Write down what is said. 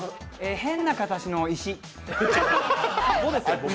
変な形の石？